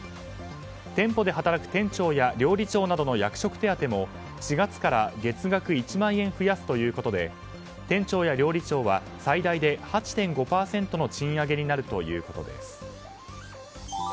店舗で働く店長や料理長などの役職手当も４月から月額１万円増やすということで店長や料理長は最大で８．５％の賃上げになるということです。